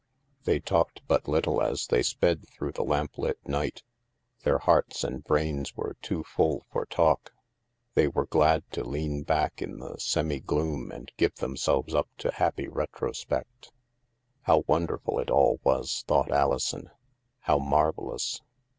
They talked but little as they sped through the lamplit night Their hearts and brains were too full for talk. They were glad to lean back in the semi gloom and give themselves up to happy retro spect. 7 f How wonderful it all was, thought Alison, how marvellous